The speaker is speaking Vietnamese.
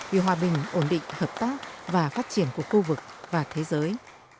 vì hòa bình ổn định hợp tác và phát triển của khu vực và thế giới